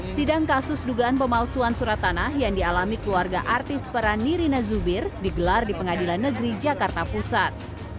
sidang kasus dugaan pemalsuan surat tanah yang dialami keluarga artis peran nirina zubir digelar di pengadilan negeri jakarta pusat